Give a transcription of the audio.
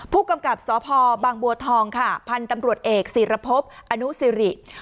ผู้กำกับสพบางบัวทองค่ะพันธุ์ตำรวจเอกศิรพบอนุสิริ